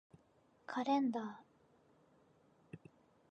カレンダー